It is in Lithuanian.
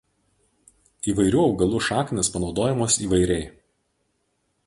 Įvairių augalų šaknys panaudojamos įvairiai.